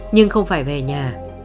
nhưng không phải về nhà